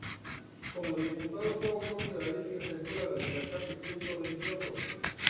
Como diputado fue autor de la ley que asegura la libertad de culto religioso.